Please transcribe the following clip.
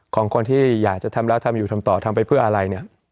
ของคนที่อยากจะทำแล้วทำอยู่ทำต่อทำไปเพื่ออะไรเนี่ย